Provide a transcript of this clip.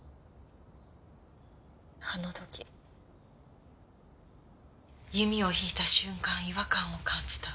あの時弓を引いた瞬間違和感を感じた。